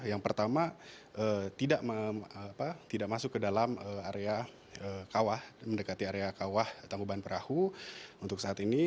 yang pertama tidak masuk ke dalam area kawah dan mendekati area kawah tangguban perahu untuk saat ini